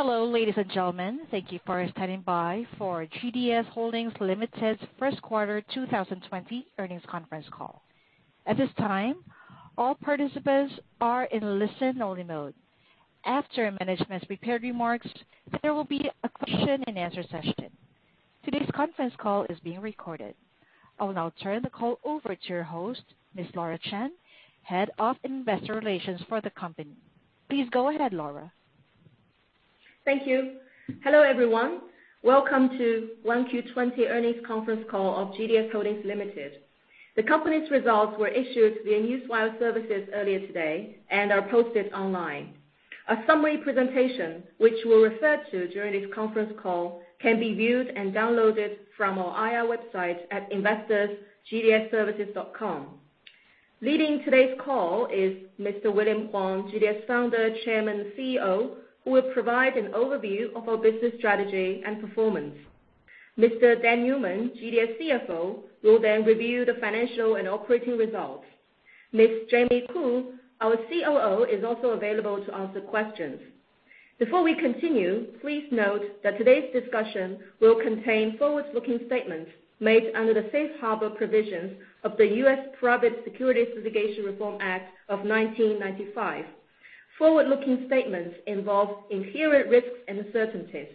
Hello, ladies and gentlemen. Thank you for standing by for GDS Holdings Limited's first quarter 2020 earnings conference call. At this time, all participants are in listen-only mode. After management's prepared remarks, there will be a question and answer session. Today's conference call is being recorded. I will now turn the call over to your host, Ms. Laura Chen, Head of Investor Relations for the company. Please go ahead, Laura. Thank you. Hello, everyone. Welcome to 1Q20 earnings conference call of GDS Holdings Limited. The company's results were issued via Newswire Services earlier today and are posted online. A summary presentation, which we'll refer to during this conference call, can be viewed and downloaded from our IR website at investors.gds-services.com. Leading today's call is Mr. William Huang, GDS Founder, Chairman, and CEO, who will provide an overview of our business strategy and performance. Mr. Dan Newman, GDS CFO, will review the financial and operating results. Ms. Jamie Khoo, our COO, is also available to answer questions. Before we continue, please note that today's discussion will contain forward-looking statements made under the Safe Harbor provisions of the U.S. Private Securities Litigation Reform Act of 1995. Forward-looking statements involve inherent risks and uncertainties.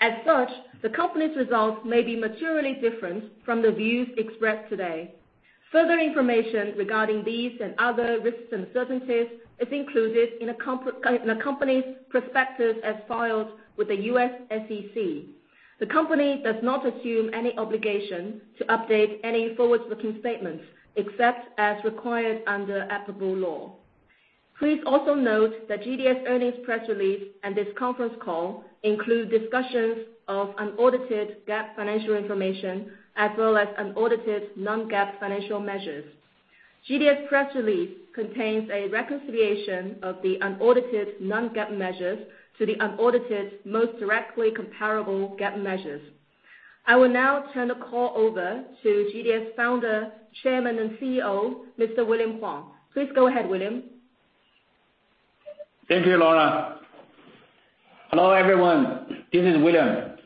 As such, the company's results may be materially different from the views expressed today. Further information regarding these and other risks and uncertainties is included in the company's prospectus as filed with the U.S. SEC. The company does not assume any obligation to update any forward-looking statements, except as required under applicable law. Please also note that GDS earnings press release and this conference call include discussions of unaudited GAAP financial information, as well as unaudited non-GAAP financial measures. GDS press release contains a reconciliation of the unaudited non-GAAP measures to the unaudited most directly comparable GAAP measures. I will now turn the call over to GDS Founder, Chairman, and CEO, Mr. William Huang. Please go ahead, William. Thank you, Laura. Hello, everyone. This is William.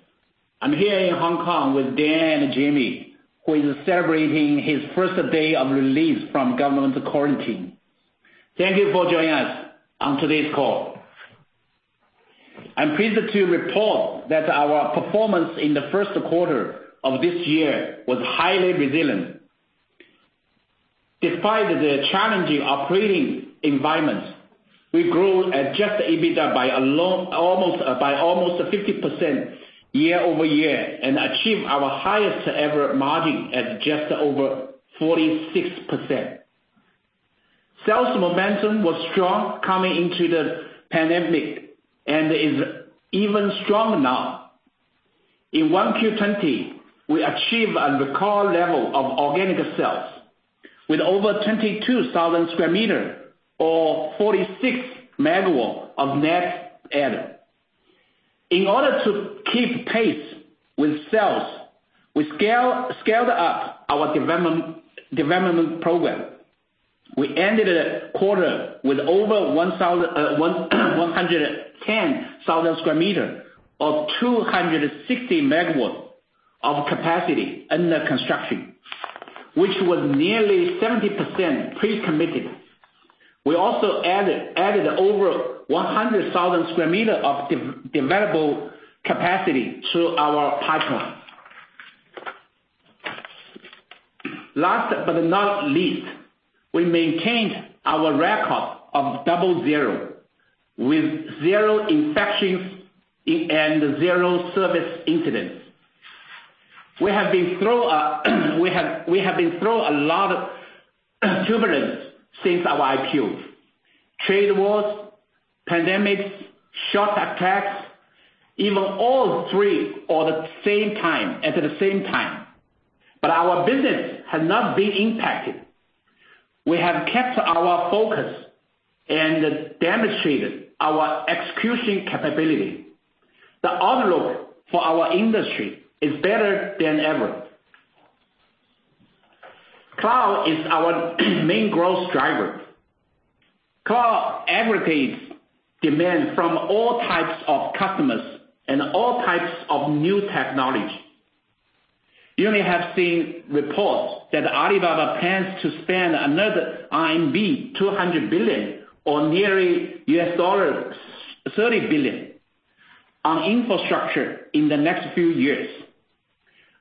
I'm here in Hong Kong with Dan and Jamie, who is celebrating his first day of release from government quarantine. Thank you for joining us on today's call. I'm pleased to report that our performance in the first quarter of this year was highly resilient. Despite the challenging operating environment, we grew adjusted EBITDA by almost 50% year-over-year and achieved our highest ever margin at just over 46%. Sales momentum was strong coming into the pandemic and is even stronger now. In 1Q20, we achieved a record level of organic sales with over 22,000 square meter or 46 megawatt of net add. In order to keep pace with sales, we scaled up our development program. We ended the quarter with over 110,000 square meter or 260 megawatts of capacity under construction, which was nearly 70% pre-committed. We also added over 100,000 sq m of developable capacity to our pipeline. Last but not least, we maintained our record of double zero, with zero infections and zero service incidents. We have been through a lot of turbulence since our IPO: trade wars, pandemics, short attacks, even all three at the same time. Our business has not been impacted. We have kept our focus and demonstrated our execution capability. The outlook for our industry is better than ever. Cloud is our main growth driver. Cloud aggregates demand from all types of customers and all types of new technology. You may have seen reports that Alibaba plans to spend another RMB 200 billion, or nearly $30 billion, on infrastructure in the next few years.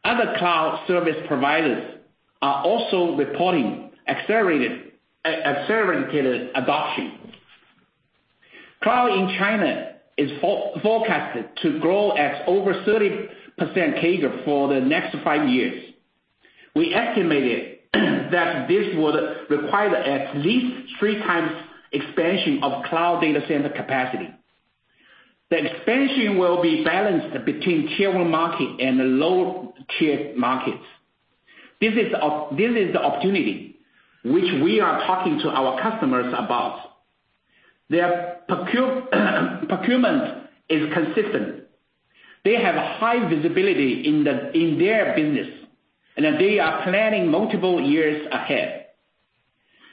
Other cloud service providers are also reporting accelerated adoption. Cloud in China is forecasted to grow at over 30% CAGR for the next five years. We estimated that this would require at least three times expansion of cloud data center capacity. The expansion will be balanced between Tier 1 market and the low-tier markets. This is the opportunity which we are talking to our customers about. Their procurement is consistent. They have high visibility in their business, and they are planning multiple years ahead.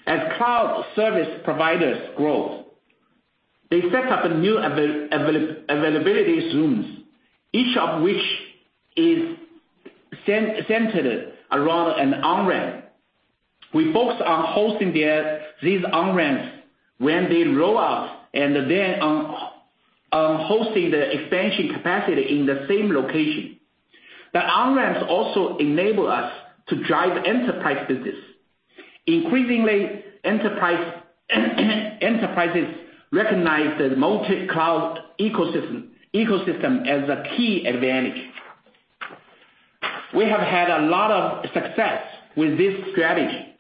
As cloud service providers grow, they set up new availability zones, each of which is centered around an on-ramp. We focus on hosting these on-ramps when they roll out and then on hosting the expansion capacity in the same location. The on-ramps also enable us to drive enterprise business. Increasingly, enterprises recognize the multi-cloud ecosystem as a key advantage. We have had a lot of success with this strategy.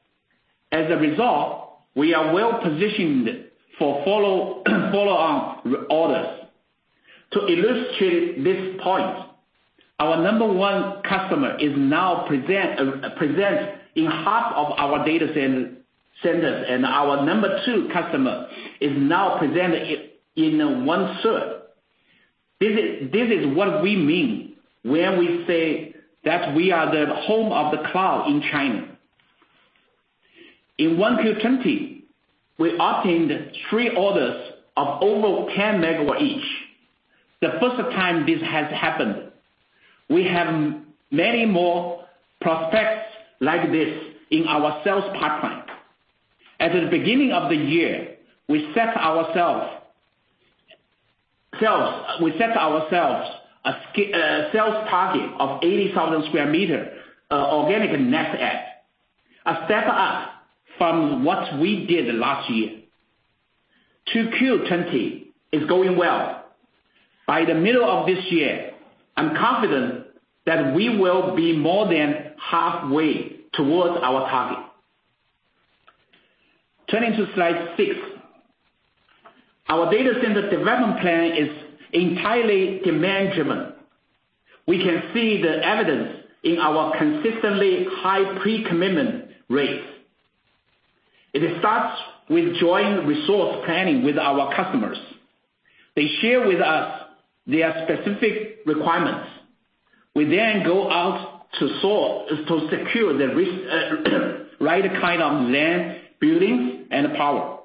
As a result, we are well-positioned for follow-on orders. To illustrate this point, our number one customer is now present in half of our data centers, and our number two customer is now present in one-third. This is what we mean when we say that we are the home of the cloud in China. In 1Q20, we obtained three orders of over 10 megawatts each. The first time this has happened. We have many more prospects like this in our sales pipeline. At the beginning of the year, we set ourselves a sales target of 80,000 square meters organic net add. A step up from what we did last year. 2Q20 is going well. By the middle of this year, I'm confident that we will be more than halfway towards our target. Turning to slide six. Our data center development plan is entirely demand-driven. We can see the evidence in our consistently high pre-commitment rates. It starts with joint resource planning with our customers. They share with us their specific requirements. We then go out to secure the right kind of land, buildings, and power.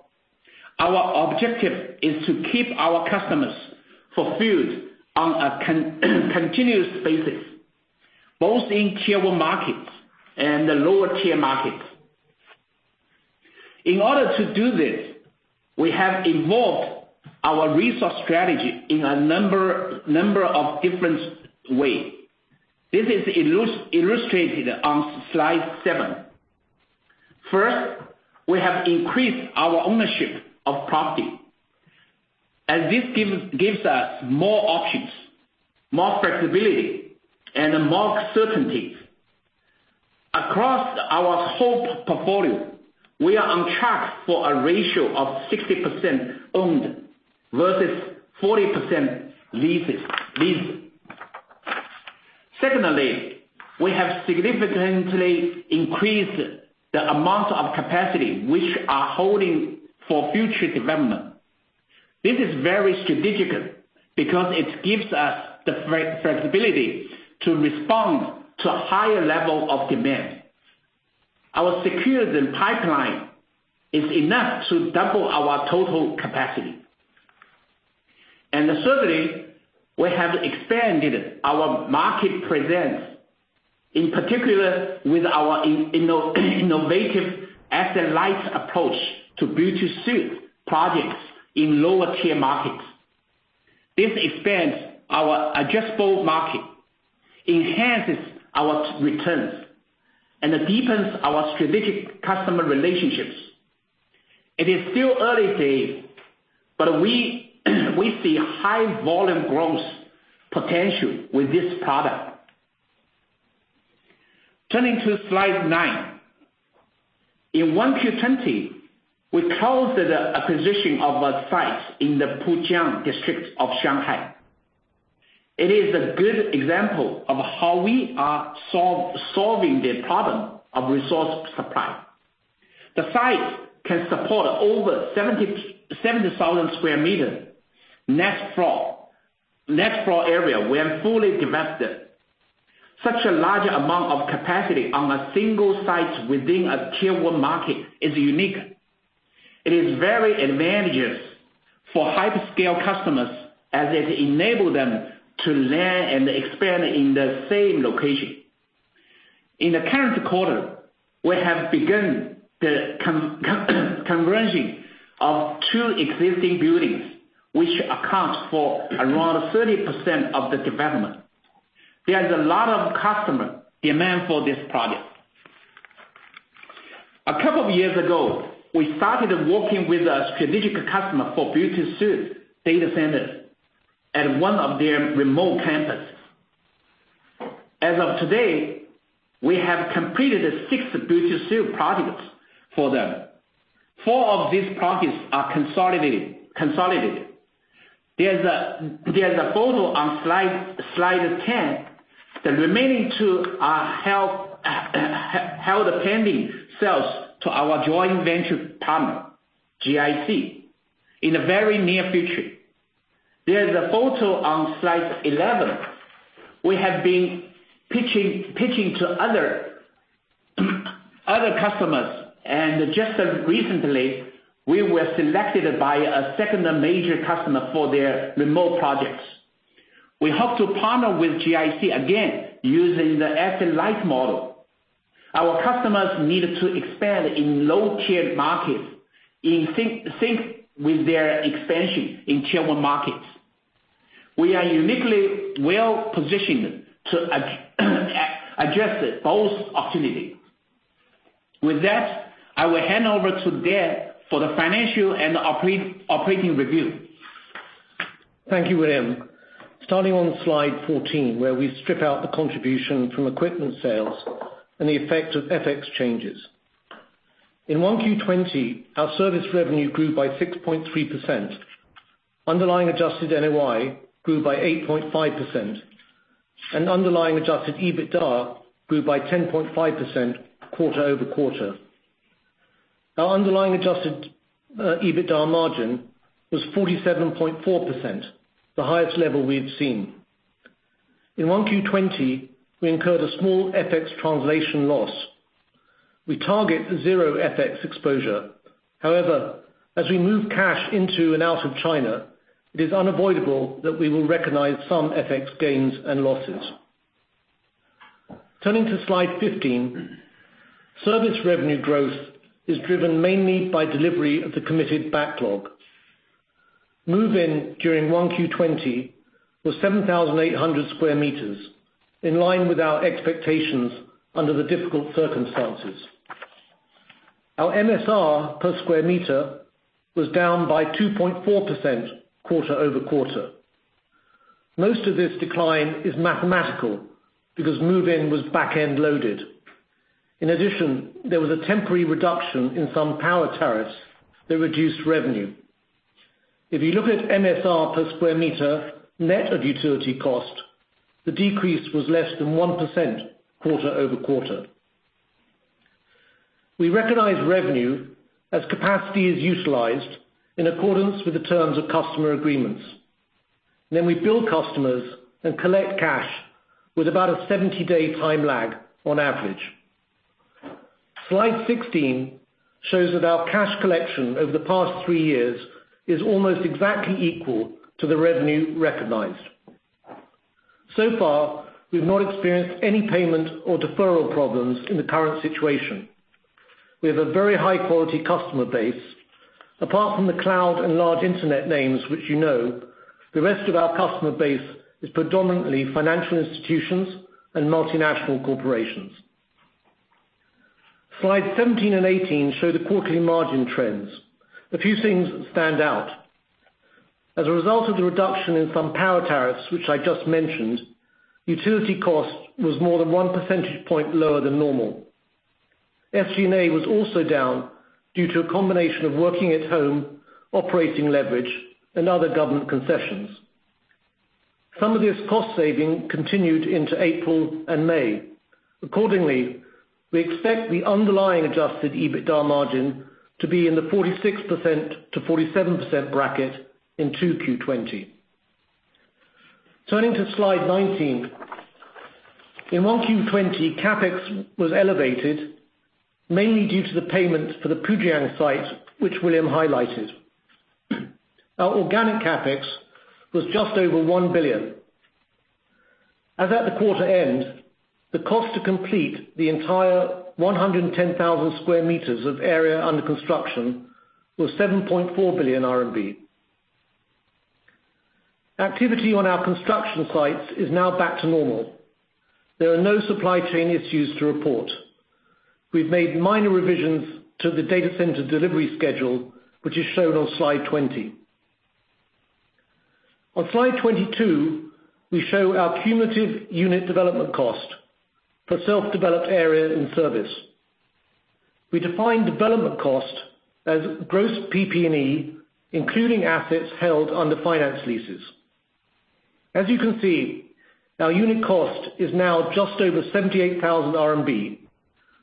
Our objective is to keep our customers fulfilled on a continuous basis, both in Tier One markets and the lower tier markets. In order to do this, we have evolved our resource strategy in a number of different ways. This is illustrated on slide seven. First, we have increased our ownership of property, as this gives us more options, more flexibility, and more certainty. Across our whole portfolio, we are on track for a ratio of 60% owned versus 40% leased. Secondly, we have significantly increased the amount of capacity which we are holding for future development. This is very strategic because it gives us the flexibility to respond to a higher level of demand. Our secure pipeline is enough to double our total capacity. Thirdly, we have expanded our market presence, in particular with our innovative asset-light approach to build-to-suit projects in lower tier markets. This expands our addressable market, enhances our returns, and deepens our strategic customer relationships. It is still early days, but we see high volume growth potential with this product. Turning to slide nine. In 1Q20, we closed the acquisition of a site in the Pujiang district of Shanghai. It is a good example of how we are solving the problem of resource supply. The site can support over 70,000 square meters net floor area when fully developed. Such a large amount of capacity on a single site within a Tier 1 market is unique. It is very advantageous for hyperscale customers as it enables them to land and expand in the same location. In the current quarter, we have begun the conversion of two existing buildings, which accounts for around 30% of the development. There's a lot of customer demand for this project. A couple of years ago, we started working with a strategic customer for build-to-suit data centers at one of their remote campuses. As of today, we have completed six build-to-suit projects for them. Four of these projects are consolidated. There's a photo on slide 10. The remaining two are held pending sales to our joint venture partner, GIC, in the very near future. There's a photo on slide 11. Just recently, we were selected by a second major customer for their remote projects. We hope to partner with GIC again using the asset light model. Our customers need to expand in low-tier markets in sync with their expansion in Tier 1 markets. We are uniquely well-positioned to address both opportunities. With that, I will hand over to Dan for the financial and operating review. Thank you, William. Starting on slide 14, where we strip out the contribution from equipment sales and the effect of FX changes. In 1Q20, our service revenue grew by 6.3%. Underlying adjusted NOI grew by 8.5%, and underlying adjusted EBITDA grew by 10.5% quarter-over-quarter. Our underlying adjusted EBITDA margin was 47.4%, the highest level we've seen. In 1Q20, we incurred a small FX translation loss. We target zero FX exposure. However, as we move cash into and out of China, it is unavoidable that we will recognize some FX gains and losses. Turning to slide 15, service revenue growth is driven mainly by delivery of the committed backlog. Move-in during 1Q20 was 7,800 sq m, in line with our expectations under the difficult circumstances. Our MSR per sq m was down by 2.4% quarter-over-quarter. Most of this decline is mathematical, because move-in was back-end loaded. In addition, there was a temporary reduction in some power tariffs that reduced revenue. If you look at MSR per square meter net of utility cost, the decrease was less than 1% quarter-over-quarter. We recognize revenue as capacity is utilized in accordance with the terms of customer agreements. We bill customers and collect cash with about a 70-day time lag on average. Slide 16 shows that our cash collection over the past three years is almost exactly equal to the revenue recognized. So far, we've not experienced any payment or deferral problems in the current situation. We have a very high-quality customer base. Apart from the cloud and large internet names, which you know, the rest of our customer base is predominantly financial institutions and multinational corporations. Slide 17 and 18 show the quarterly margin trends. A few things stand out. As a result of the reduction in some power tariffs, which I just mentioned, utility cost was more than one percentage point lower than normal. SG&A was also down due to a combination of working at home, operating leverage, and other government concessions. Some of this cost saving continued into April and May. We expect the underlying adjusted EBITDA margin to be in the 46%-47% bracket in 2Q20. Turning to slide 19. In 1Q20, CapEx was elevated, mainly due to the payments for the Pujiang site, which William highlighted. Our organic CapEx was just over 1 billion. As at the quarter end, the cost to complete the entire 110,000 square meters of area under construction was 7.4 billion RMB. Activity on our construction sites is now back to normal. There are no supply chain issues to report. We've made minor revisions to the data center delivery schedule, which is shown on slide 20. On slide 22, we show our cumulative unit development cost for self-developed area in service. We define development cost as gross PP&E, including assets held under finance leases. As you can see, our unit cost is now just over 78,000 RMB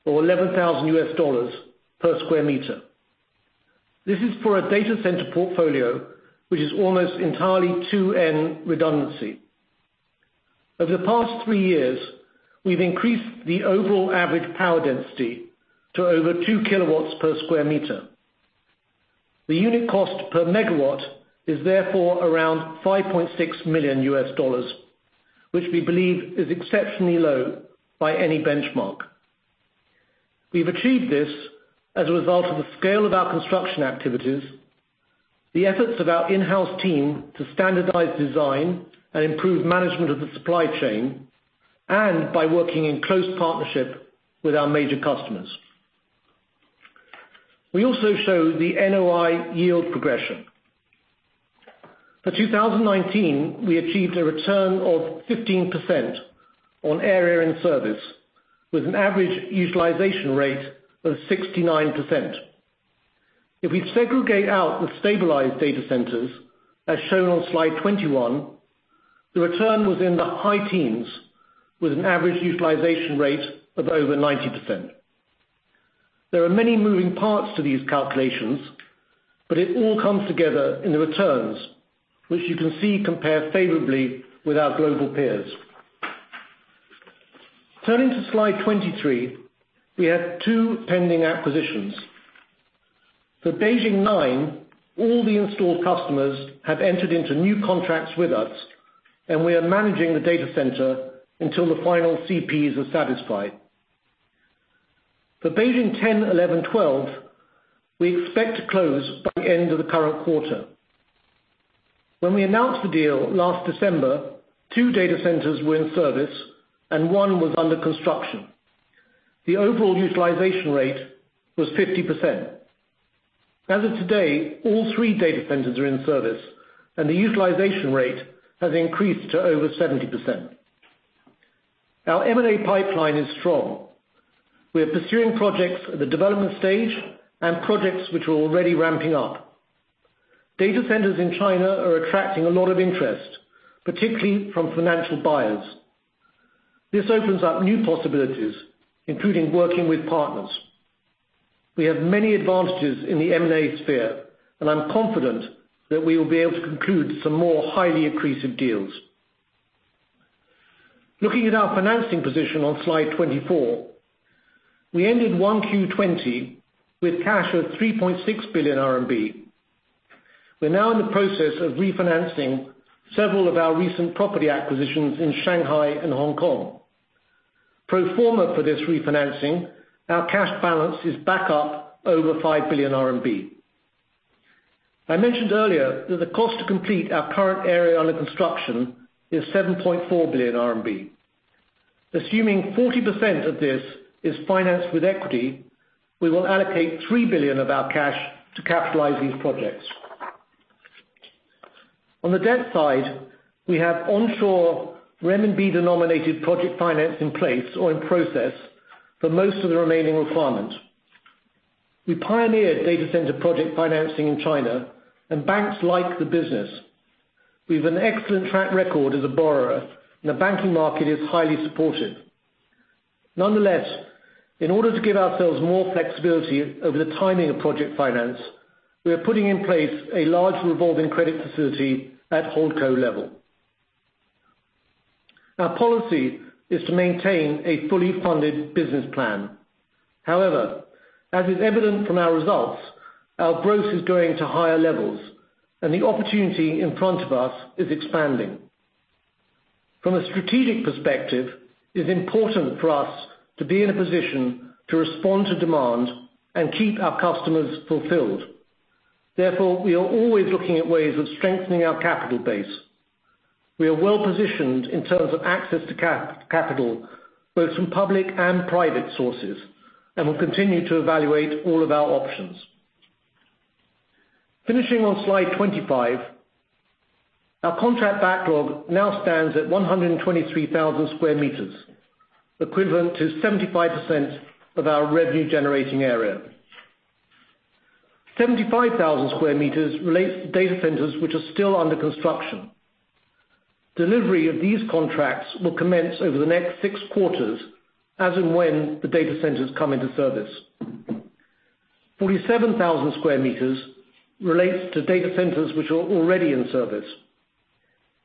or $11,000 per square meter. This is for a data center portfolio, which is almost entirely 2N redundancy. Over the past three years, we've increased the overall average power density to over 2 kilowatts per square meter. The unit cost per megawatt is therefore around $5.6 million, which we believe is exceptionally low by any benchmark. We've achieved this as a result of the scale of our construction activities, the efforts of our in-house team to standardize design and improve management of the supply chain, and by working in close partnership with our major customers. We also show the NOI yield progression. For 2019, we achieved a return of 15% on area in service, with an average utilization rate of 69%. If we segregate out the stabilized data centers as shown on slide 21, the return was in the high teens, with an average utilization rate of over 90%. There are many moving parts to these calculations, but it all comes together in the returns, which you can see compare favorably with our global peers. Turning to slide 23. We have two pending acquisitions. For Beijing 9, all the installed customers have entered into new contracts with us, and we are managing the data center until the final CPs are satisfied. For Beijing 10, 11, 12, we expect to close by the end of the current quarter. When we announced the deal last December, two data centers were in service and one was under construction. The overall utilization rate was 50%. As of today, all three data centers are in service, and the utilization rate has increased to over 70%. Our M&A pipeline is strong. We are pursuing projects at the development stage and projects which are already ramping up. Data centers in China are attracting a lot of interest, particularly from financial buyers. This opens up new possibilities, including working with partners. We have many advantages in the M&A sphere, and I'm confident that we will be able to conclude some more highly accretive deals. Looking at our financing position on slide 24. We ended 1Q20 with cash of 3.6 billion RMB. We're now in the process of refinancing several of our recent property acquisitions in Shanghai and Hong Kong. Pro forma for this refinancing, our cash balance is back up over 5 billion RMB. I mentioned earlier that the cost to complete our current area under construction is 7.4 billion RMB. Assuming 40% of this is financed with equity, we will allocate 3 billion of our cash to capitalize these projects. On the debt side, we have onshore renminbi-denominated project finance in place or in process for most of the remaining requirement. Banks like the business. We have an excellent track record as a borrower, and the banking market is highly supportive. Nonetheless, in order to give ourselves more flexibility over the timing of project finance, we are putting in place a large revolving credit facility at Holdco level. Our policy is to maintain a fully funded business plan. However, as is evident from our results, our growth is growing to higher levels and the opportunity in front of us is expanding. From a strategic perspective, it is important for us to be in a position to respond to demand and keep our customers fulfilled. Therefore, we are always looking at ways of strengthening our capital base. We are well positioned in terms of access to capital, both from public and private sources, and will continue to evaluate all of our options. Finishing on slide 25. Our contract backlog now stands at 123,000 square meters, equivalent to 75% of our revenue-generating area. 75,000 square meters relates to data centers which are still under construction. Delivery of these contracts will commence over the next six quarters, as and when the data centers come into service. 47,000 square meters relates to data centers which are already in service.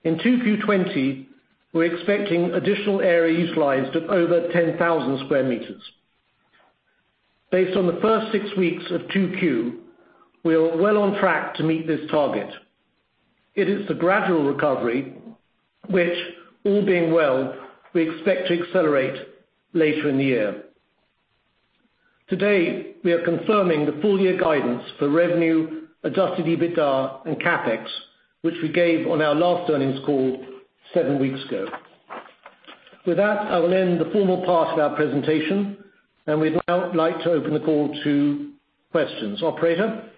In 2Q20, we're expecting additional area utilized of over 10,000 square meters. Based on the first six weeks of 2Q, we are well on track to meet this target. It is a gradual recovery which, all being well, we expect to accelerate later in the year. Today, we are confirming the full year guidance for revenue, adjusted EBITDA, and CapEx, which we gave on our last earnings call seven weeks ago. With that, I will end the formal part of our presentation, and we'd now like to open the call to questions. Operator?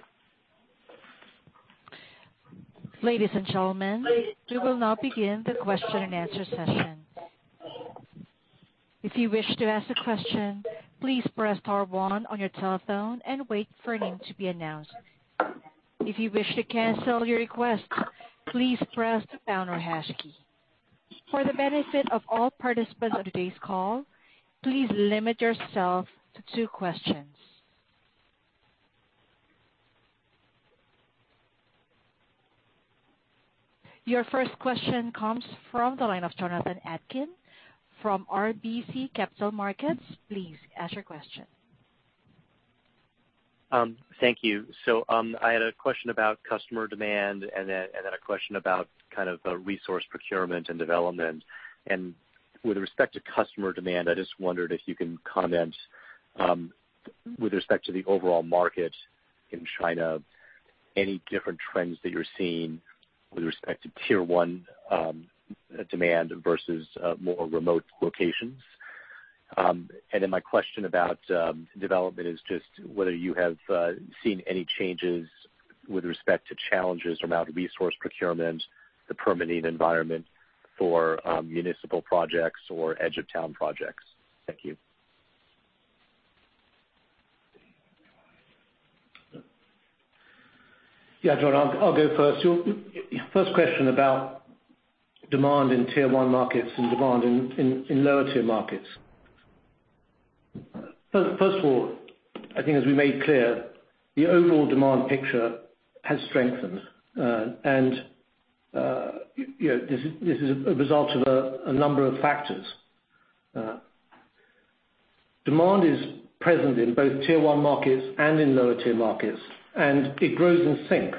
Ladies and gentlemen, we will now begin the question and answer session. If you wish to ask a question, please press star one on your telephone and wait for your name to be announced. If you wish to cancel your request, please press the pound or hash key. For the benefit of all participants on today's call, please limit yourself to two questions. Your first question comes from the line of Jonathan Atkin from RBC Capital Markets. Please ask your question. Thank you. I had a question about customer demand and then a question about kind of resource procurement and development. With respect to customer demand, I just wondered if you can comment, with respect to the overall market in China, any different trends that you're seeing with respect to tier 1 demand versus more remote locations. My question about development is just whether you have seen any changes with respect to challenges around resource procurement, the permitting environment for municipal projects or edge of town projects. Thank you. Yeah, John, I'll go first. First question about demand in tier 1 markets and demand in lower tier markets. First of all, I think as we made clear, the overall demand picture has strengthened. This is a result of a number of factors. Demand is present in both tier 1 markets and in lower tier markets, and it grows in sync.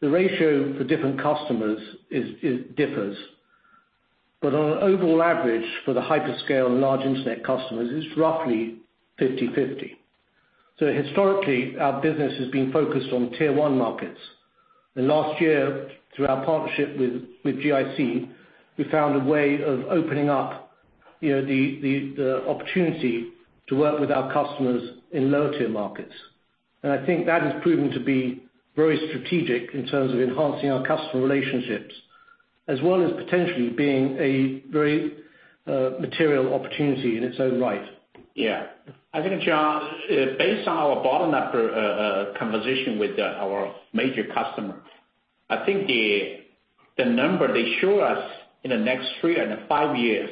The ratio for different customers differs, but on an overall average for the hyperscale and large internet customers, it's roughly 50/50. Historically, our business has been focused on tier 1 markets. Last year, through our partnership with GIC, we found a way of opening up the opportunity to work with our customers in lower tier markets. I think that has proven to be very strategic in terms of enhancing our customer relationships, as well as potentially being a very material opportunity in its own right. I think, John, based on our bottom-up conversation with our major customer, I think the number they show us in the next three and five years,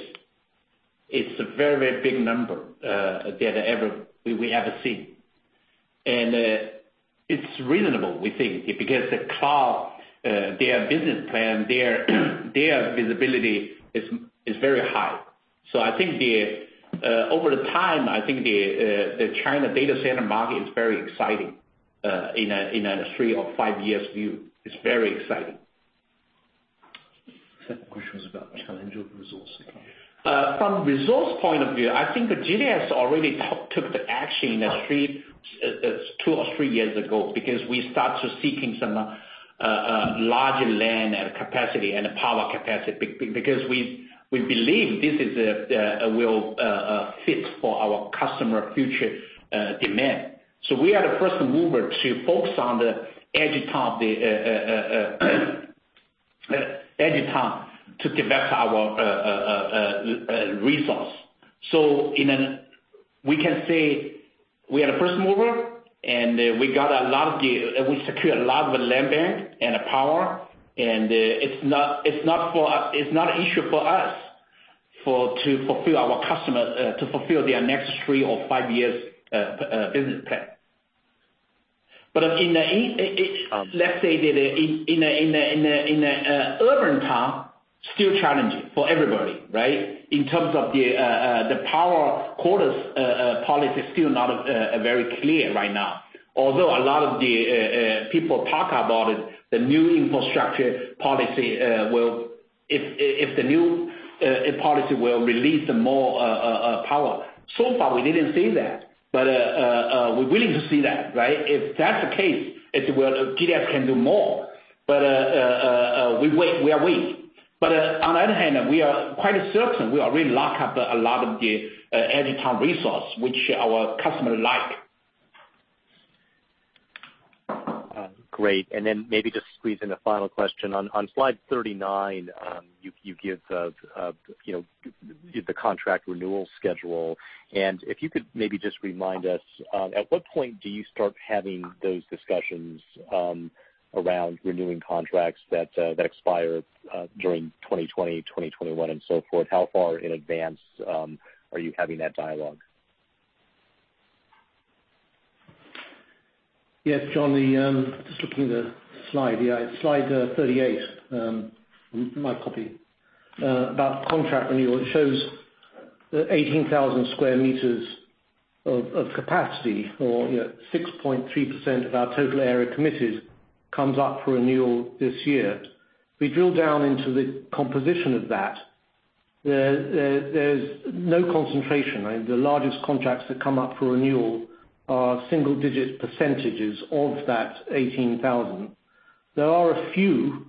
it's a very big number than we ever seen. It's reasonable, we think, because the cloud, their business plan, their visibility is very high. I think over the time, I think the China data center market is very exciting in a three or five years view. It's very exciting. Second question was about challenge of resources. From resource point of view, I think GDS already took the action two or three years ago, because we start to seeking some larger land and capacity and power capacity, because we believe this will fit for our customer future demand. We are the first mover to focus on the edge hub to develop our resource. We can say we are the first mover, and we secure a lot of the land bank and power, and it is not an issue for us to fulfill our customer, to fulfill their next three or five years business plan. Let's say in the urban town, still challenging for everybody, right? In terms of the power quotas policy is still not very clear right now. Although a lot of the people talk about it, the new infrastructure policy will release more power. So far, we didn't see that, but we're willing to see that, right? If that's the case, GDS can do more. We are waiting. On the other hand, we are quite certain we already lock up a lot of the edge town resource, which our customer like. Great. Then maybe just squeeze in a final question. On slide 39, you give the contract renewal schedule. If you could maybe just remind us, at what point do you start having those discussions around renewing contracts that expire during 2020, 2021, and so forth? How far in advance are you having that dialogue? Yes, John. Slide 38, my copy, about contract renewal. It shows that 18,000 sq m of capacity or 6.3% of our total area committed comes up for renewal this year. We drill down into the composition of that. There's no concentration. The largest contracts that come up for renewal are single digit percentages of that 18,000. There are a few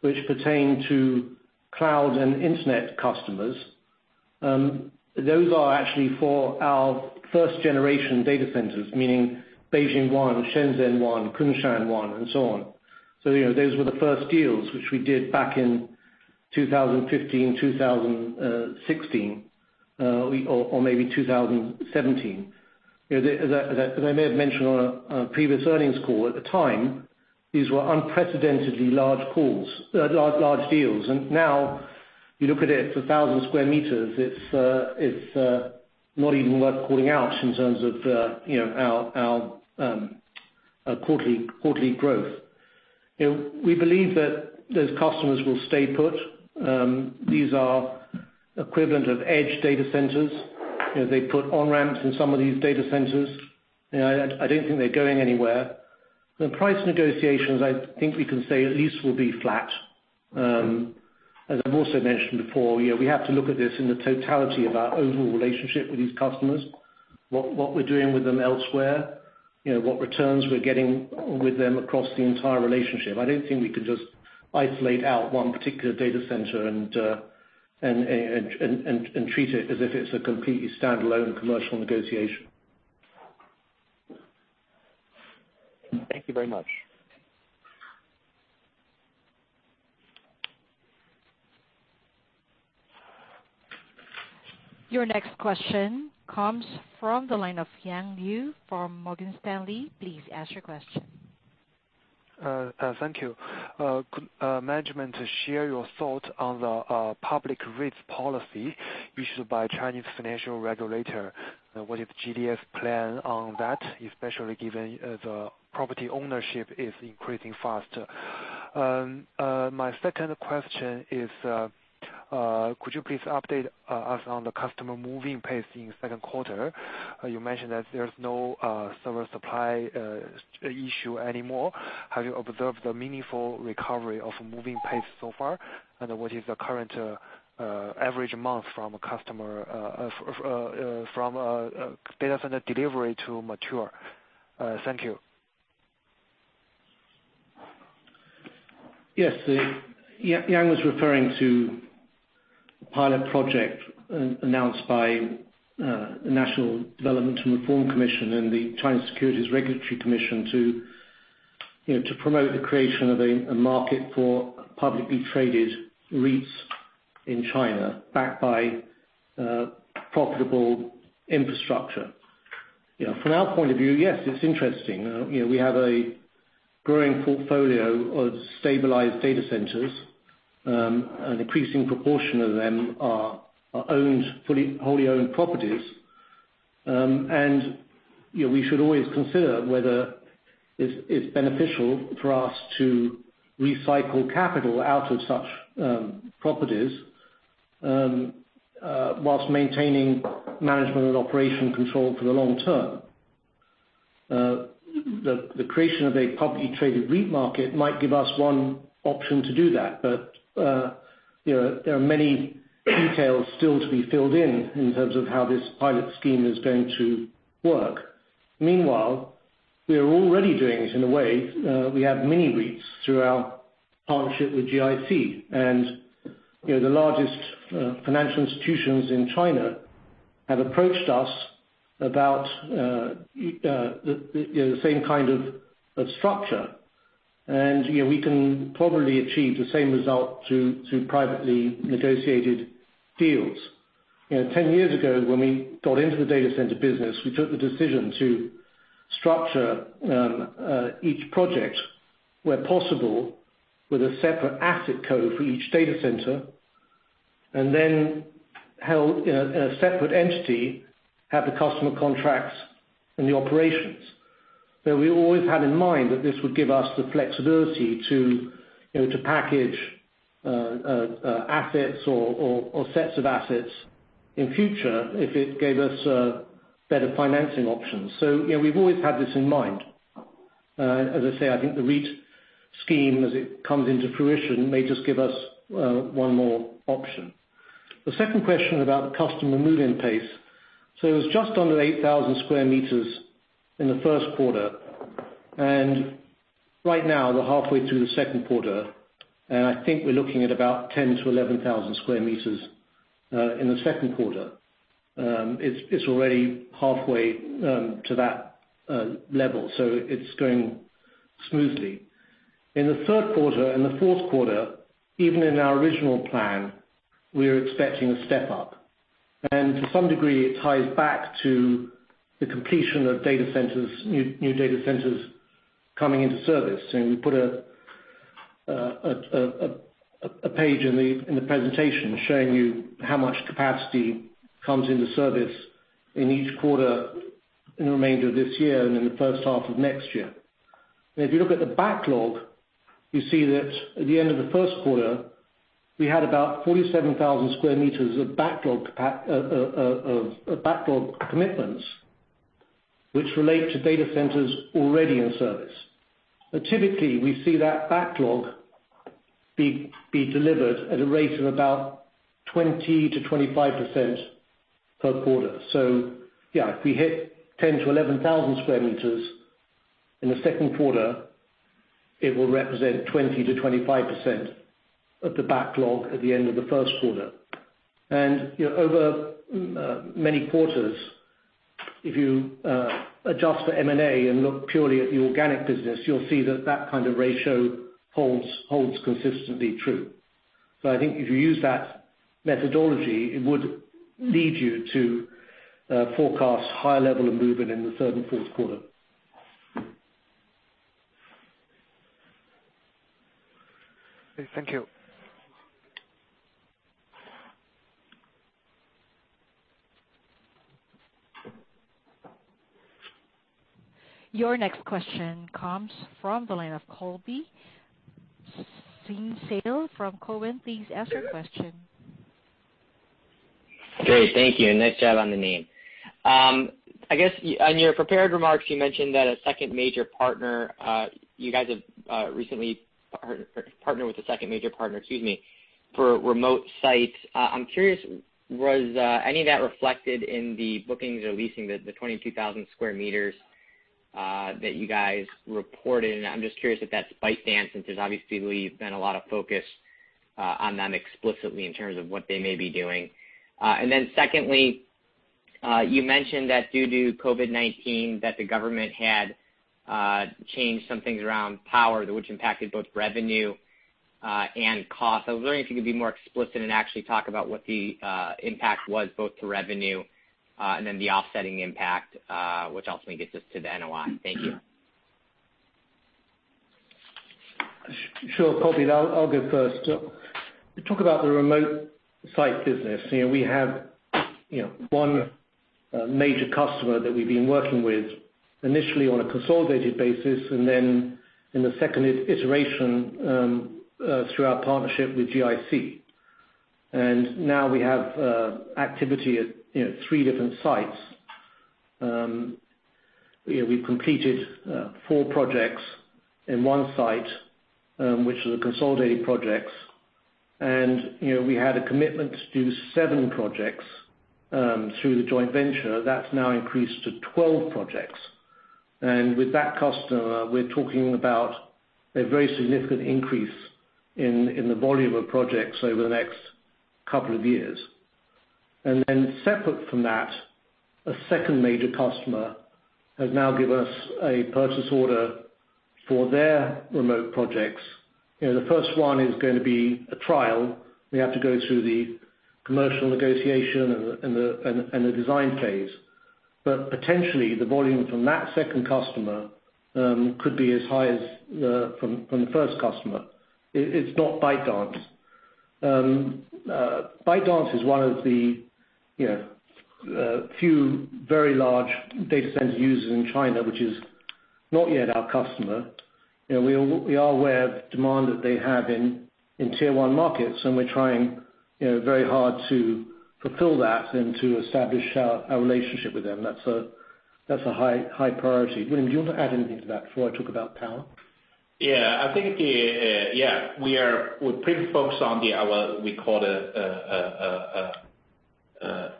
which pertain to cloud and internet customers. Those are actually for our first generation data centers, meaning Beijing One, Shenzhen One, Kunshan One, and so on. Those were the first deals which we did back in 2015, 2016, or maybe 2017. As I may have mentioned on a previous earnings call, at the time, these were unprecedentedly large deals. Now you look at it's 1,000 sq m. It's not even worth calling out in terms of our quarterly growth. We believe that those customers will stay put. These are equivalent of edge data centers. They put on-ramps in some of these data centers. I don't think they're going anywhere. The price negotiations, I think we can say at least will be flat. As I've also mentioned before, we have to look at this in the totality of our overall relationship with these customers, what we're doing with them elsewhere, what returns we're getting with them across the entire relationship. I don't think we can just isolate out one particular data center and treat it as if it's a completely standalone commercial negotiation. Thank you very much. Your next question comes from the line of Yang Liu from Morgan Stanley. Please ask your question. Thank you. Could management share your thoughts on the public REITs policy issued by Chinese financial regulator? What is GDS plan on that, especially given the property ownership is increasing faster? My second question is, could you please update us on the customer moving pace in the second quarter? You mentioned that there's no server supply issue anymore. Have you observed the meaningful recovery of moving pace so far? What is the current average month from data center delivery to mature? Thank you. Yes. Yang was referring to a pilot project announced by the National Development and Reform Commission and the China Securities Regulatory Commission to promote the creation of a market for publicly traded REITs in China backed by profitable infrastructure. From our point of view, yes, it's interesting. We have a growing portfolio of stabilized data centers. An increasing proportion of them are wholly owned properties. We should always consider whether it's beneficial for us to recycle capital out of such properties whilst maintaining management and operation control for the long term. The creation of a publicly traded REIT market might give us one option to do that. There are many details still to be filled in terms of how this pilot scheme is going to work. Meanwhile, we are already doing it in a way. We have mini REITs through our partnership with GIC, the largest financial institutions in China have approached us about the same kind of structure. We can probably achieve the same result through privately negotiated deals. 10 years ago, when we got into the data center business, we took the decision to structure each project, where possible, with a separate asset code for each data center, and then held in a separate entity, have the customer contracts and the operations. We always had in mind that this would give us the flexibility to package assets or sets of assets in future if it gave us better financing options. We've always had this in mind. As I say, I think the REIT scheme, as it comes into fruition, may just give us one more option. The second question about customer move-in pace. It was just under 8,000 sq m in the first quarter, and right now we're halfway through the second quarter, and I think we're looking at about 10,000-11,000 sq m in the second quarter. It's already halfway to that level, so it's going smoothly. In the third quarter and the fourth quarter, even in our original plan, we are expecting a step up. To some degree, it ties back to the completion of new data centers coming into service. We put a page in the presentation showing you how much capacity comes into service in each quarter in the remainder of this year and in the first half of next year. If you look at the backlog, you see that at the end of the first quarter, we had about 47,000 sq m of backlog commitments which relate to data centers already in service. Typically, we see that backlog be delivered at a rate of about 20%-25% per quarter. If we hit 10,000-11,000 square meters in the second quarter, it will represent 20%-25% of the backlog at the end of the first quarter. Over many quarters, if you adjust for M&A and look purely at the organic business, you'll see that that kind of ratio holds consistently true. I think if you use that methodology, it would lead you to forecast higher level of movement in the third and fourth quarter. Okay. Thank you. Your next question comes from the line of Colby Synesael from Cowen. Please ask your question. Great. Thank you, and nice job on the name. I guess on your prepared remarks, you mentioned that you guys have recently partnered with a second major partner, excuse me, for remote sites. I'm curious, was any of that reflected in the bookings or leasing the 22,000 square meters that you guys reported? I'm just curious if that's ByteDance, since there's obviously been a lot of focus on them explicitly in terms of what they may be doing. Secondly, you mentioned that due to COVID-19, that the government had changed some things around power, which impacted both revenue and cost. I was wondering if you could be more explicit and actually talk about what the impact was both to revenue and then the offsetting impact, which ultimately gets us to the NOI. Thank you. Sure, Colby, I'll go first. To talk about the remote site business. We have one major customer that we've been working with initially on a consolidated basis, then in the second iteration, through our partnership with GIC. Now we have activity at 3 different sites. We've completed 4 projects in 1 site, which are the consolidated projects. We had a commitment to do 7 projects through the joint venture. That's now increased to 12 projects. With that customer, we're talking about a very significant increase in the volume of projects over the next couple of years. Then separate from that, a second major customer has now given us a purchase order for their remote projects. The first one is going to be a trial. We have to go through the commercial negotiation and the design phase. Potentially the volume from that second customer could be as high as from the first customer. It's not ByteDance. ByteDance is one of the few very large data center users in China, which is not yet our customer. We are aware of demand that they have in tier 1 markets, and we're trying very hard to fulfill that and to establish our relationship with them. That's a high priority. William, do you want to add anything to that before I talk about power? Yeah. We pretty focused on our, we call it the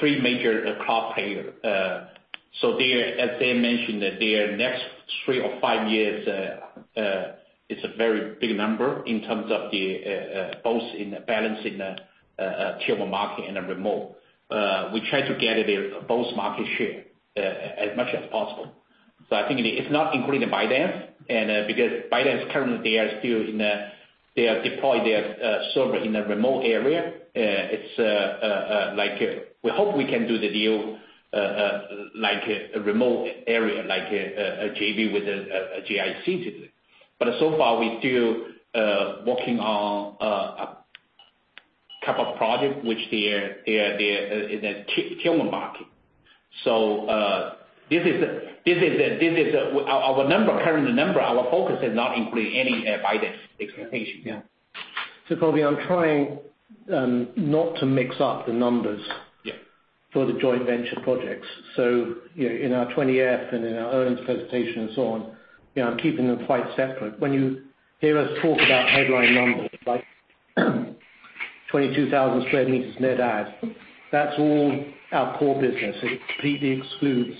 three major cloud player. As they mentioned, their next three or five years, it's a very big number in terms of both in balancing tier 1 market and the remote. We try to get both market share as much as possible. I think it's not including ByteDance, because ByteDance currently they deploy their server in a remote area. We hope we can do the deal like a remote area, like a JV with a GIC. So far, we're still working on a couple of projects which they are in a tier 1 market. Our current number, our focus does not include any ByteDance expectation. Yeah. Colby, I'm trying not to mix up the numbers. Yeah for the joint venture projects. In our 20-F and in our earnings presentation and so on, I'm keeping them quite separate. When you hear us talk about headline numbers like 22,000 sq m net add, that's all our core business. It completely excludes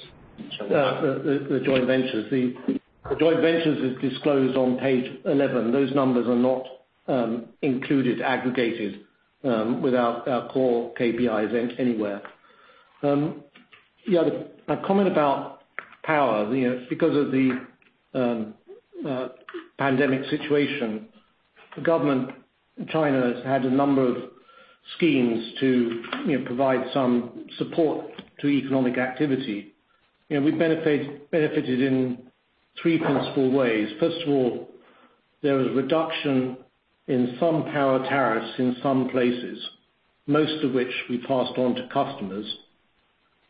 the joint ventures. The joint ventures is disclosed on page 11. Those numbers are not included, aggregated with our core KPIs anywhere. A comment about power. Because of the pandemic situation, the government in China has had a number of schemes to provide some support to economic activity. We benefited in three principal ways. First of all, there was a reduction in some power tariffs in some places, most of which we passed on to customers.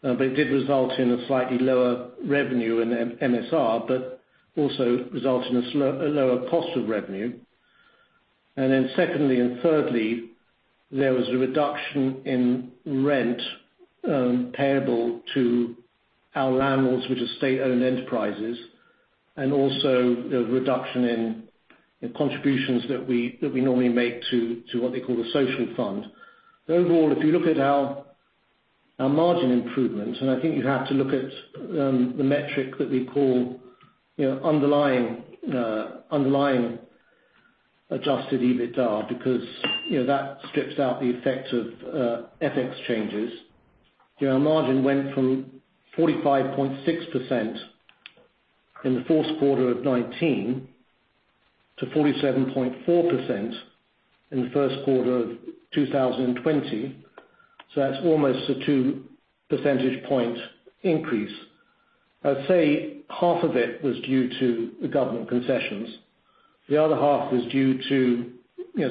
It did result in a slightly lower revenue in MSR, but also result in a lower cost of revenue. Secondly and thirdly, there was a reduction in rent payable to our landlords, which are state-owned enterprises, and also the reduction in contributions that we normally make to what they call the social fund. If you look at our margin improvements, I think you have to look at the metric that we call underlying adjusted EBITDA, because that strips out the effect of FX changes. Our margin went from 45.6% in the fourth quarter of 2019 to 47.4% in the first quarter of 2020. That's almost a two percentage point increase. I'd say half of it was due to the government concessions. The other half was due to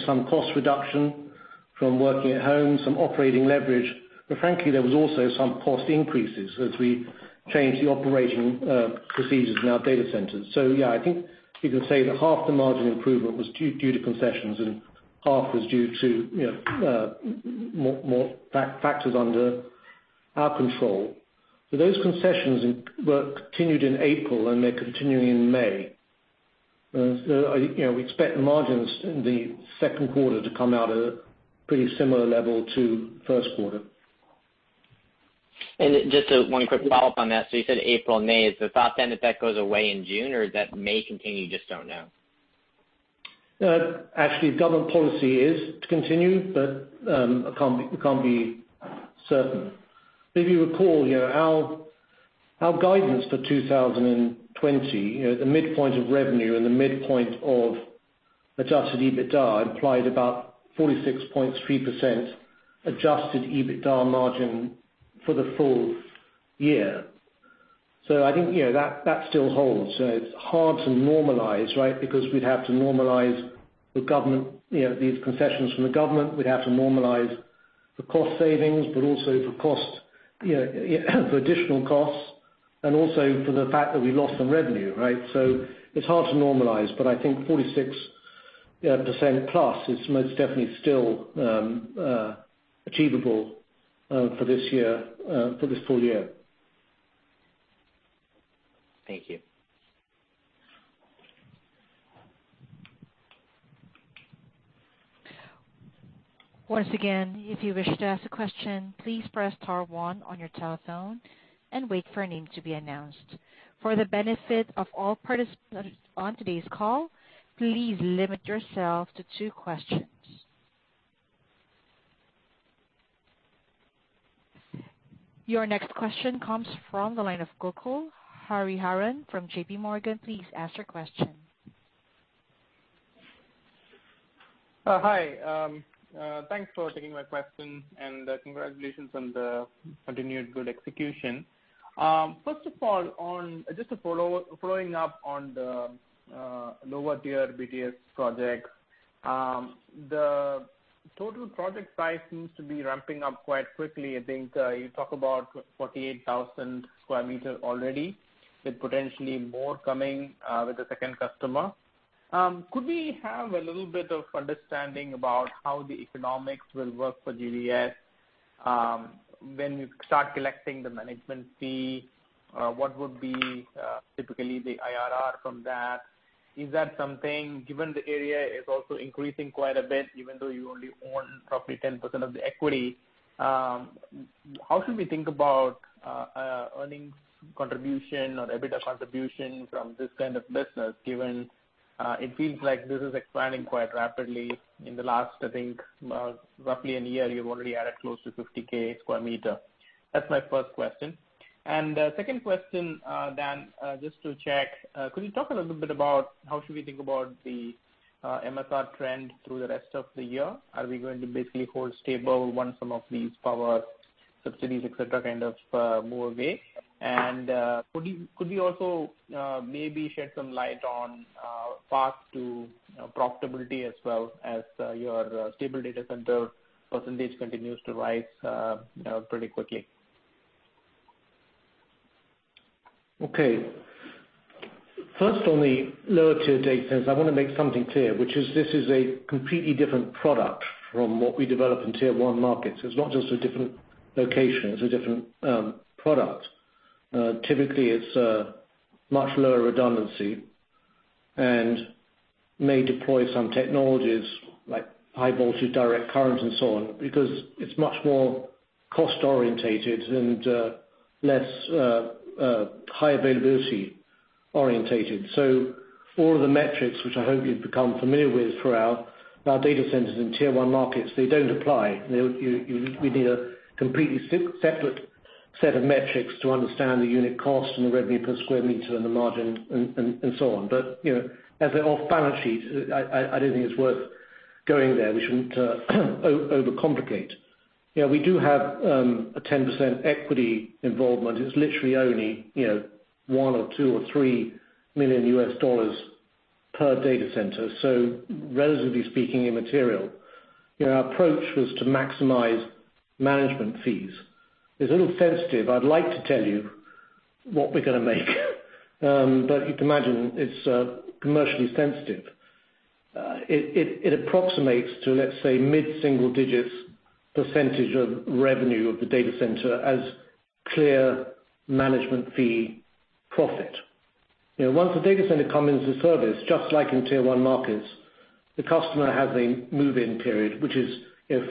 some cost reduction from working at home, some operating leverage. Frankly, there was also some cost increases as we changed the operating procedures in our data centers. Yeah, I think you could say that half the margin improvement was due to concessions and half was due to more factors under our control. Those concessions were continued in April, and they're continuing in May. We expect the margins in the second quarter to come out at a pretty similar level to first quarter. Just one quick follow-up on that. You said April and May. Is the thought then that that goes away in June, or that may continue, you just don't know? Actually, government policy is to continue, but it can't be certain. If you recall, our guidance for 2020, the midpoint of revenue and the midpoint of adjusted EBITDA implied about 46.3% adjusted EBITDA margin for the full year. I think that still holds. It's hard to normalize, right? We'd have to normalize these concessions from the government. We'd have to normalize the cost savings, but also for additional costs and also for the fact that we lost some revenue, right? It's hard to normalize, but I think 46% plus is most definitely still achievable for this full year. Thank you. Once again, if you wish to ask a question, please press star one on your telephone and wait for a name to be announced. For the benefit of all participants on today's call, please limit yourself to two questions. Your next question comes from the line of Gokul Hariharan from JPMorgan. Please ask your question. Hi. Thanks for taking my question, congratulations on the continued good execution. First of all, just following up on the lower tier BTS project. The total project size seems to be ramping up quite quickly. I think you talk about 48,000 sq m already, with potentially more coming with the second customer. Could we have a little bit of understanding about how the economics will work for GDS when you start collecting the management fee? What would be typically the IRR from that? Is that something, given the area is also increasing quite a bit, even though you only own probably 10% of the equity, how should we think about earnings contribution or EBITDA contribution from this kind of business, given it feels like this is expanding quite rapidly? In the last, I think, roughly a year, you've already added close to 50,000 sq m. That's my first question. Second question, Dan, just to check, could you talk a little bit about how should we think about the MSR trend through the rest of the year? Are we going to basically hold stable once some of these power subsidies, et cetera, kind of move away? Could you also maybe shed some light on path to profitability as well as your stable data center percentage continues to rise pretty quickly? First on the lower tier data centers, I want to make something clear, which is this is a completely different product from what we develop in tier 1 markets. It's not just a different location, it's a different product. Typically, it's much lower redundancy and may deploy some technologies like High-Voltage Direct Current and so on, because it's much more cost orientated and less high availability orientated. For the metrics, which I hope you've become familiar with for our data centers in tier 1 markets, they don't apply. We need a completely separate set of metrics to understand the unit cost and the revenue per square meter and the margin and so on. As they're off balance sheet, I don't think it's worth going there. We shouldn't overcomplicate. We do have a 10% equity involvement. It's literally only one or two or three million USD per data center. Relatively speaking, immaterial. Our approach was to maximize management fees. It's a little sensitive. I'd like to tell you what we're going to make, but you can imagine it's commercially sensitive. It approximates to, let's say, mid-single digits % of revenue of the data center as clear management fee profit. Once the data center comes into service, just like in tier 1 markets, the customer has a move in period, which is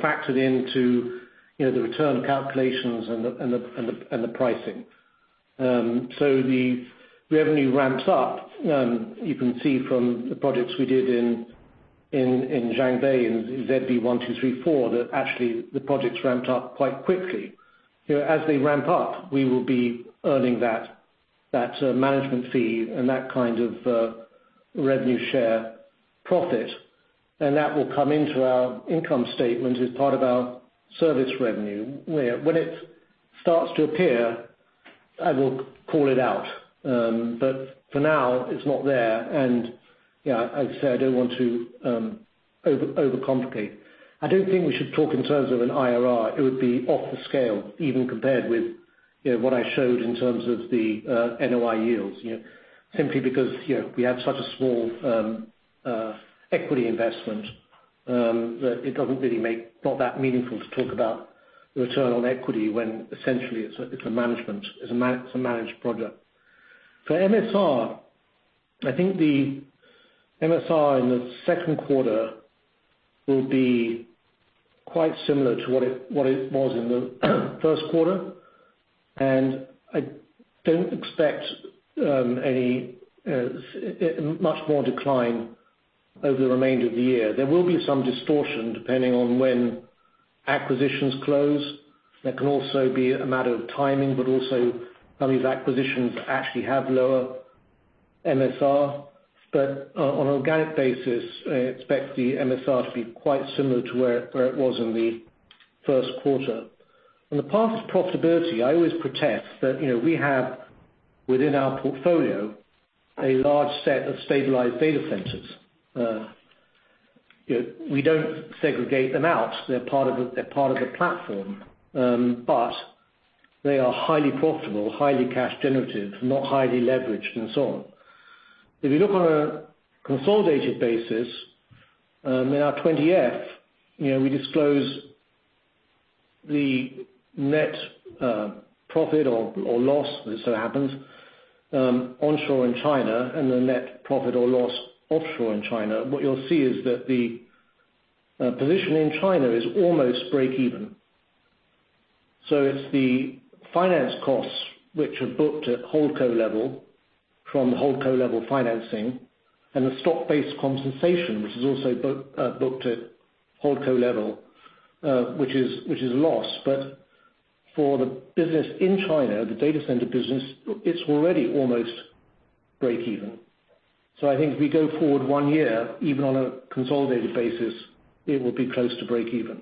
factored into the return calculations and the pricing. The revenue ramps up. You can see from the projects we did in Zhangbei in ZB1,2,3,4 that actually the projects ramped up quite quickly. As they ramp up, we will be earning that management fee and that kind of revenue share profit, that will come into our income statement as part of our service revenue. When it starts to appear, I will call it out. For now, it's not there. As I say, I don't want to overcomplicate. I don't think we should talk in terms of an IRR. It would be off the scale, even compared with what I showed in terms of the NOI yields. Simply because we have such a small equity investment that it's not that meaningful to talk about the return on equity when essentially it's a managed project. For MSR, I think the MSR in the second quarter will be quite similar to what it was in the first quarter. I don't expect much more decline over the remainder of the year. There will be some distortion, depending on when acquisitions close. There can also be a matter of timing. Also, some of these acquisitions actually have lower MSR. On an organic basis, I expect the MSR to be quite similar to where it was in the first quarter. On the path of profitability, I always protest that we have, within our portfolio, a large set of stabilized data centers. We don't segregate them out. They're part of the platform. They are highly profitable, highly cash generative, not highly leveraged, and so on. If you look on a consolidated basis, in our 20-F, we disclose the net profit or loss, as it so happens, onshore in China and the net profit or loss offshore in China. What you'll see is that the position in China is almost break even. It's the finance costs which are booked at Holdco level from Holdco-level financing and the stock-based compensation, which is also booked at Holdco level, which is a loss. For the business in China, the data center business, it's already almost break even. I think if we go forward one year, even on a consolidated basis, it will be close to break even.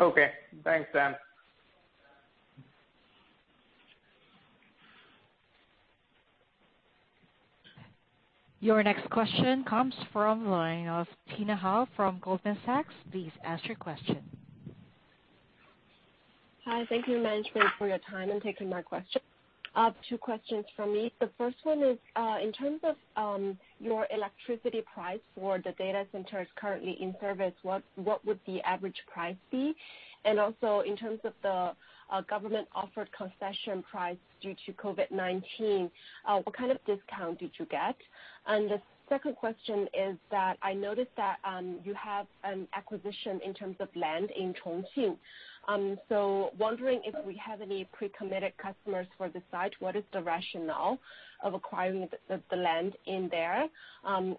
Okay. Thanks, Dan. Your next question comes from the line of Tina Hou from Goldman Sachs. Please ask your question. Hi. Thank you, management, for your time and taking my question. Two questions from me. The first one is, in terms of your electricity price for the data centers currently in service, what would the average price be? Also, in terms of the government offered concession price due to COVID-19, what kind of discount did you get? The second question is that I noticed that you have an acquisition in terms of land in Chongqing. Wondering if we have any pre-committed customers for the site. What is the rationale of acquiring the land in there?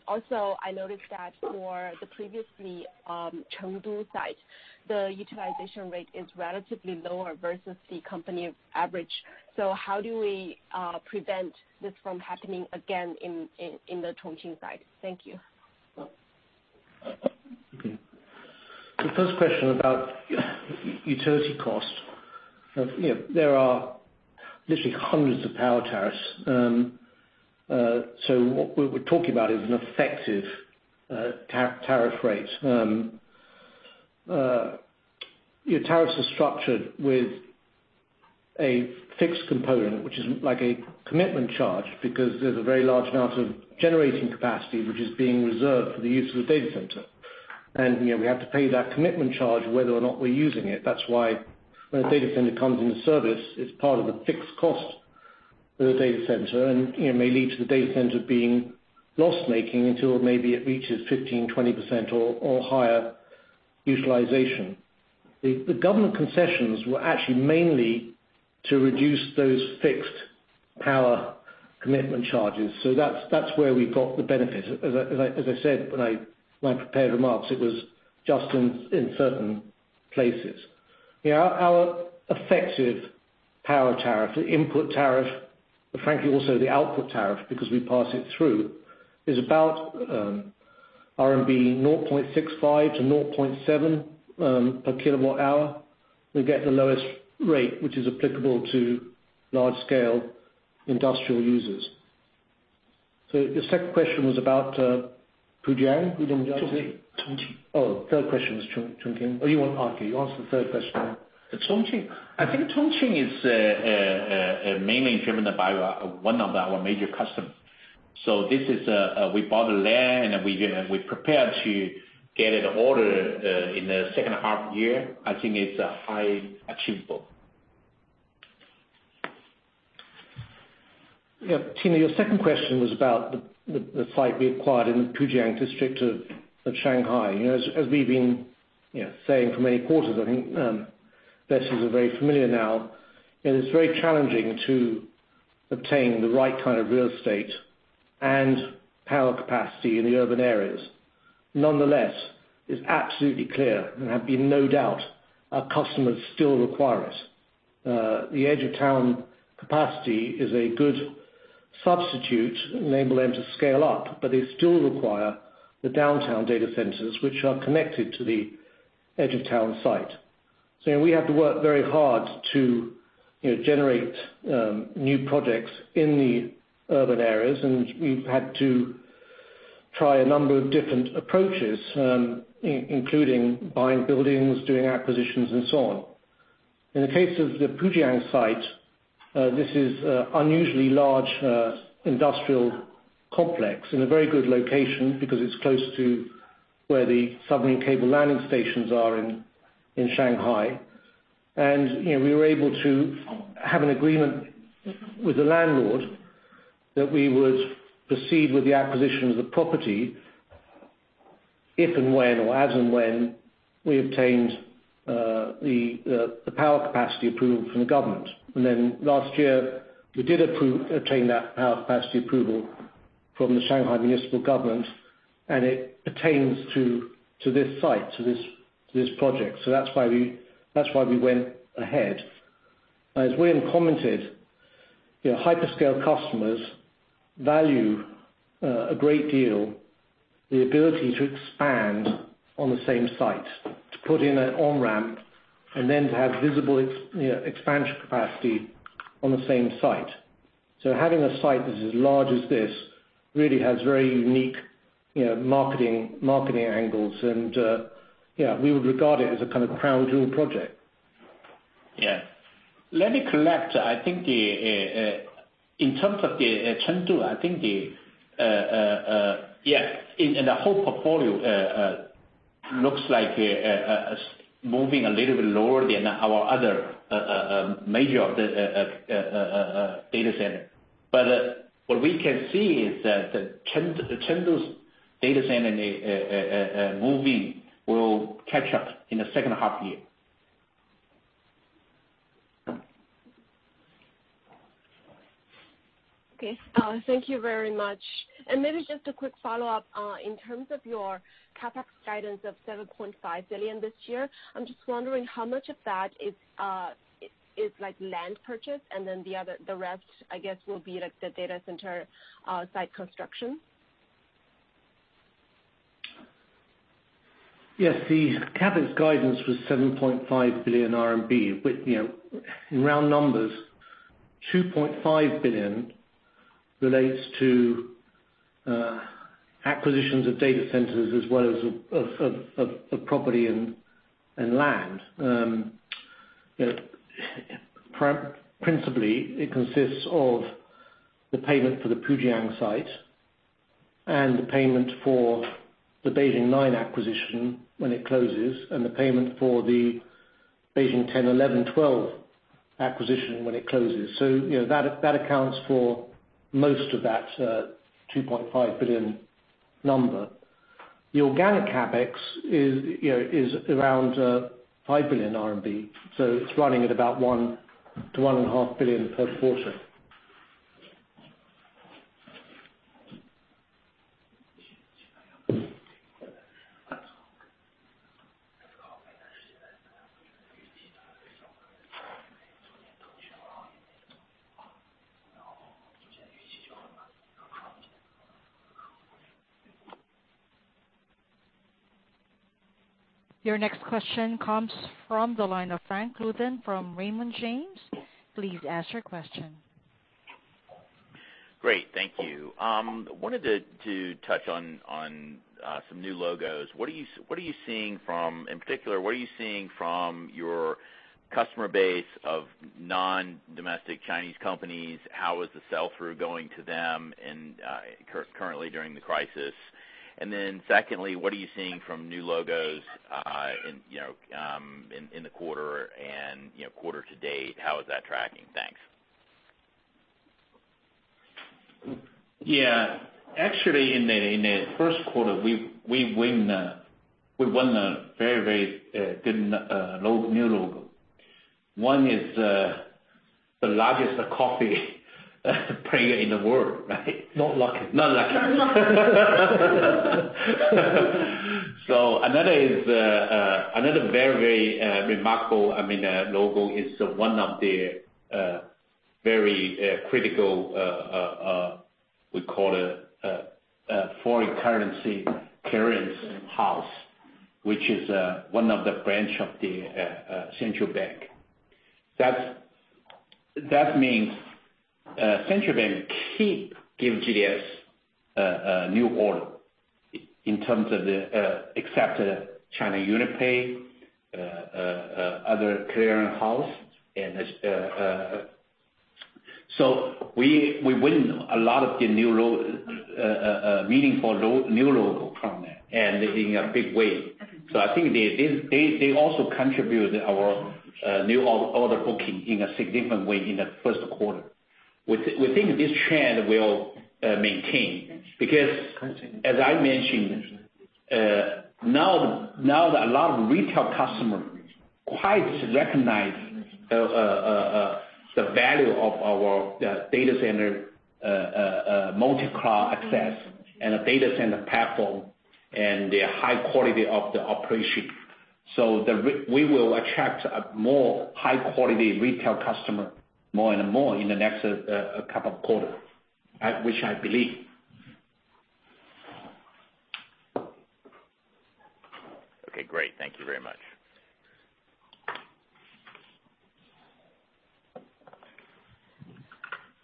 Also, I noticed that for the previous Chengdu site, the utilization rate is relatively lower versus the company average. How do we prevent this from happening again in the Chongqing site? Thank you. The first question about utility cost. There are literally hundreds of power tariffs. What we're talking about is an effective tariff rate. Tariffs are structured with a fixed component, which is like a commitment charge because there's a very large amount of generating capacity which is being reserved for the use of the data center. We have to pay that commitment charge whether or not we're using it. That's why when a data center comes into service, it's part of the fixed cost for the data center and may lead to the data center being loss-making until maybe it reaches 15, 20% or higher utilization. The government concessions were actually mainly to reduce those fixed power commitment charges. That's where we got the benefit. As I said when I prepared remarks, it was just in certain places. Our effective power tariff, the input tariff, but frankly also the output tariff because we pass it through, is about RMB 0.65 to 0.7 per kilowatt hour. We get the lowest rate, which is applicable to large-scale industrial users. Your second question was about? Chongqing. Third question was Chongqing. You answer the third question. Chongqing. I think Chongqing is mainly driven by one of our major customers. We bought the land and we prepared to get an order in the second half of the year. I think it's highly achievable. Tina, your second question was about the site we acquired in the Pujiang district of Shanghai. As we've been saying for many quarters, I think investors are very familiar now, it is very challenging to obtain the right kind of real estate and power capacity in the urban areas. Nonetheless, it's absolutely clear and have been no doubt our customers still require it. The edge of town capacity is a good substitute and enable them to scale up, but they still require the downtown data centers, which are connected to the edge of town site. We have to work very hard to generate new projects in the urban areas. We've had to try a number of different approaches, including buying buildings, doing acquisitions, and so on. In the case of the Pujiang site, this is unusually large industrial complex in a very good location because it's close to where the submarine cable landing stations are in Shanghai. We were able to have an agreement with the landlord that we would proceed with the acquisition of the property if and when, or as and when, we obtained the power capacity approval from the government. Last year we did obtain that power capacity approval from the Shanghai municipal government, and it pertains to this site, to this project. That's why we went ahead. As William commented, hyperscale customers value a great deal the ability to expand on the same site, to put in an on-ramp and then to have visible expansion capacity on the same site. Having a site that's as large as this really has very unique marketing angles. We would regard it as a crown jewel project. Yeah. Let me correct. I think in terms of Chengdu, I think the whole portfolio looks like moving a little bit lower than our other major data centers. What we can see is that the Chengdu's data center moving will catch up in the second half year. Okay. Thank you very much. Maybe just a quick follow-up. In terms of your CapEx guidance of 7.5 billion this year, I'm just wondering how much of that is land purchase and then the rest, I guess, will be the data center site construction? Yes, the CapEx guidance was 7.5 billion RMB. In round numbers, 2.5 billion relates to acquisitions of data centers as well as of property and land. Principally, it consists of the payment for the Pujiang site and the payment for the Beijing 9 acquisition when it closes and the payment for the Beijing 10, 11, 12 acquisition when it closes. That accounts for most of that 2.5 billion number. The organic CapEx is around 5 billion RMB, so it's running at about 1 billion-1.5 billion per quarter. Your next question comes from the line of Frank Louthan from Raymond James. Please ask your question. Great. Thank you. Wanted to touch on some new logos. In particular, what are you seeing from your customer base of non-domestic Chinese companies? How is the sell-through going to them currently during the crisis? Secondly, what are you seeing from new logos in the quarter and quarter to date? How is that tracking? Thanks. Yeah. Actually, in the first quarter, we won a very good new logo. One is the largest coffee player in the world, right? Not Luckin. Not lucky. Another very remarkable logo is one of the very critical, we call it foreign currency clearance house, which is one of the branch of the central bank. That means central bank keep give GDS a new order in terms of the accepted China UnionPay, other clearance house. We win a lot of the meaningful new logo from there, and in a big way. I think they also contribute our new order booking in a significant way in the first quarter. We think this trend will maintain because, as I mentioned, now that a lot of retail customer quite recognize the value of our data center multi-cloud access and a data center platform and the high quality of the operation. We will attract a more high quality retail customer more and more in the next couple of quarters, which I believe. Okay, great. Thank you very much.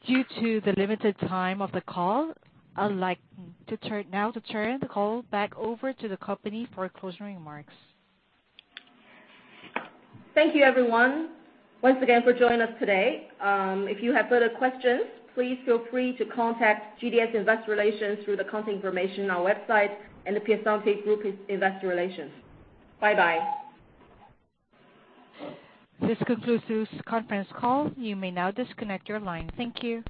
Due to the limited time of the call, I'd like now to turn the call back over to the company for closing remarks. Thank you everyone once again for joining us today. If you have further questions, please feel free to contact GDS investor relations through the contact information on our website and the Piacente Group investor relations. Bye-bye. This concludes this conference call. You may now disconnect your line. Thank you.